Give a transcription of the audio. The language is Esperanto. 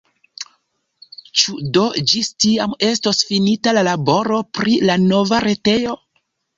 Ĉu do ĝis tiam estos finita la laboro pri la nova retejo?